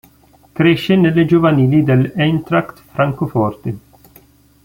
Cresce nelle giovanili dell'Eintracht Francoforte.